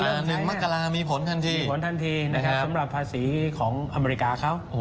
เรื่องนี้มักกราศมีผลทันทีนะครับสำหรับภาษีของอเมริกาเขาโอ้โห